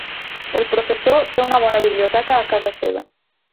El professor té una bona biblioteca a casa seva.